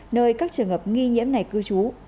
nơi các trường hợp nghi nhiễm này cư trú